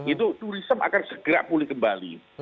itu turism akan segera pulih kembali